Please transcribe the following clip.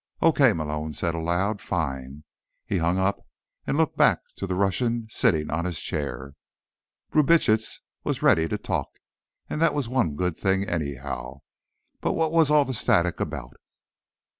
"Okay," Malone said aloud. "Fine." He hung up and looked back to the Russian sitting on his chair. Brubitsch was ready to talk, and that was one good thing, anyhow. But what was all the static about?